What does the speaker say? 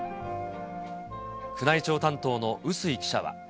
宮内庁担当の笛吹記者は。